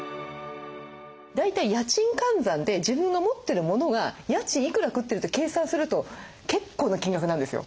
大体家賃換算で自分が持ってるモノが家賃いくら食ってるって計算すると結構な金額なんですよ。